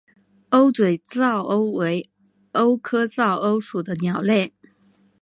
鸥嘴噪鸥为鸥科噪鸥属的鸟类。